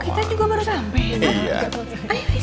kita juga baru sampai